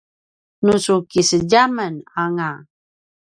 nu su kisedjamen anga